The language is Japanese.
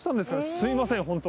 すみません本当に。